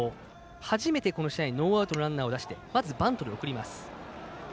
初めてこの試合ノーアウトでランナーを出してまず、バントで送ります。